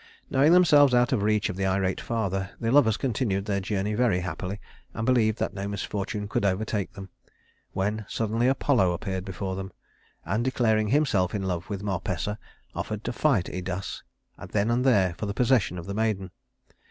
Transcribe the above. Knowing themselves out of reach of the irate father, the lovers continued their journey very happily, and believed that no misfortune could overtake them, when suddenly Apollo appeared before them, and, declaring himself in love with Marpessa, offered to fight Idas then and there for the possession of the maiden.